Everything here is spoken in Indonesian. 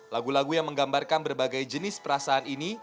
lagu lagu yang menggambarkan berbagai jenis perasaan ini